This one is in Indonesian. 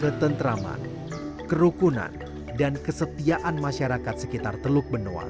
ketentraman kerukunan dan kesetiaan masyarakat sekitar teluk benoa